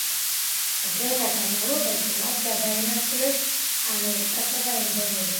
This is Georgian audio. დროთა განმავლობაში მათ გადაინაცვლეს ამერიკასა და ინდონეზიაში.